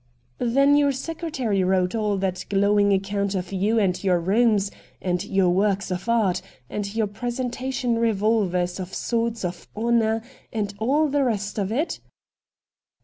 ' Then your secretary wrote all that glow ing account of you and your rooms, and your works of art, and your presentation revolvers and swords of honour, and all the rest of it?'